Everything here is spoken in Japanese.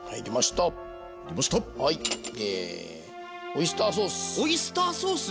オイスターソース。